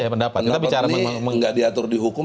pendapat ini tidak diatur di hukum